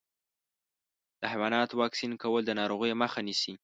د حیواناتو واکسین کول د ناروغیو مخه نیسي.